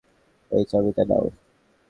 এই চাবিটা নাও।